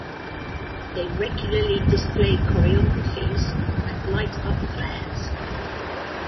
They regularly display choreographies and light up flares.